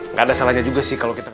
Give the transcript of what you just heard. nggak ada salahnya juga sih kalau kita